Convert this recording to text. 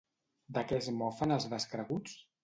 De què es mofen els descreguts?